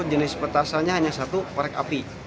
jenis petasannya hanya satu korek api